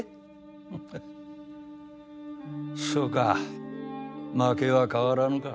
ハハッそうか負けは変わらぬか。